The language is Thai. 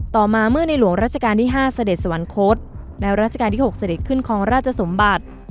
ต่อมาเมื่อในหลวงรัชกาล๕สเด็ดสวรรคตและรัชกาล๖ไปขึ้นที่ของราชสมบัติ